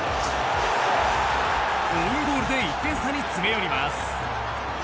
オウンゴールで１点差に詰め寄ります。